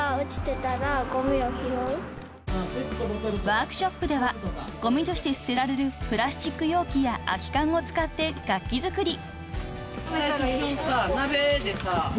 ［ワークショップではごみとして捨てられるプラスチック容器や空き缶を使って楽器作り］